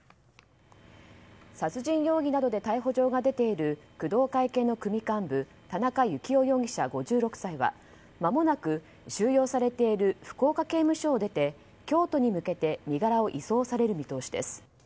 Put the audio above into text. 殺人容疑などで逮捕状が出ている工藤会系の組幹部田中幸雄容疑者、５６歳はまもなく収容されている福岡刑務所を出て京都に向けて身柄を移送される見通しです。